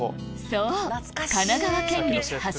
そう！